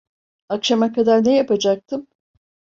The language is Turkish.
Akşama kadar ne yapacaktım?